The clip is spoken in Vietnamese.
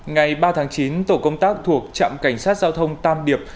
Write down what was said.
ngày ba tháng chín tổ công tác thuộc trạm cảnh sát giao thông tam điệp